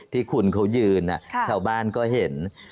ที่คุณเขายืนชาวบ้านก็เห็น